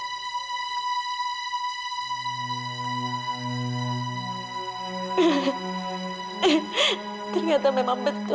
kalian semua kalau saingin dengan tante di atas desa dasar hajar